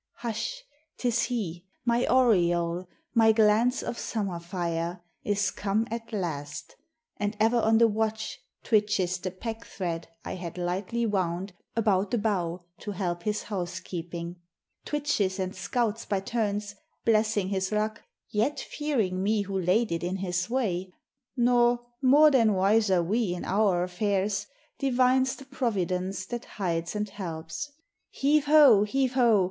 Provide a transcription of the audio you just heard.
Hush ! 'T is he ! My oriole, my glance of summer fire, Is come at last, and, ever on the watch, Twitches the pack thread I had lightly wound About the bough to help his housekeeping, Twitches and scouts by turns, blessing his luck, Yet fearing me who laid it in his way, Nor, more than wiser we in our affairs, Divines the providence that hides and helps. Heave, ho! Heave, ho!